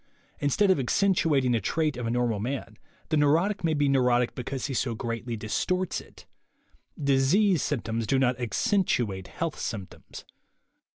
Instead of "accentuating" a trait of a nor mal man, the neurotic may be a neurotic because he so greatly distorts it. Disease symptoms do not "accentuate" health symptoms.